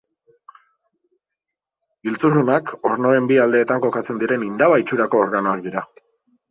Giltzurrunak ornoen bi aldeetan kokatzen diren indaba itxurako organoak dira.